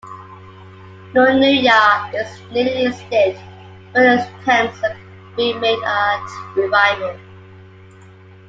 Nonuya is nearly extinct, but attempts are being made at revival.